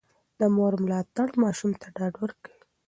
د مور ملاتړ ماشوم ته ډاډ ورکوي.